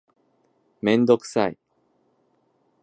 めんどくさい